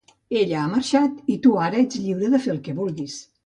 Ella ha marxat, i tu ara ets lliure de fer el que vulguis.